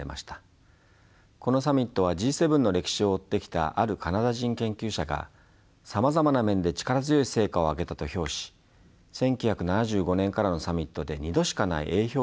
このサミットはＧ７の歴史を追ってきたあるカナダ人研究者が「さまざまな面で力強い成果を上げた」と評し１９７５年からのサミットで２度しかないＡ評価をつけたものであります。